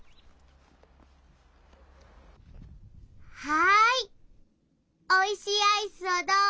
はいおいしいアイスをどうぞ。